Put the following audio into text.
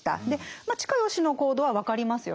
ま親吉の行動は分かりますよね。